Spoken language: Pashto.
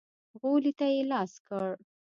غولي ته يې لاس کړ.